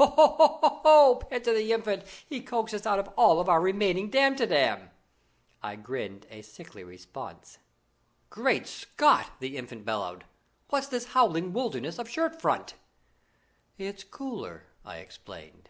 "Ho! ho! ho!" panted the Infant. "He's coaxed us out of all our remaining Damtidam." I grinned a sickly response. "Great Scot!" the Infant bellowed. "What's this howling wilderness of shirt front?" "It's cooler," I explained.